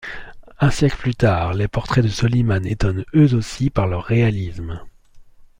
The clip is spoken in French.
Un siècle plus tard, les portraits de Soliman étonnent eux aussi par leur réalisme.